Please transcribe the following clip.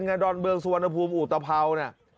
ในดอนเบืองสุวรรณภูมิอุตพร้าวน่ะ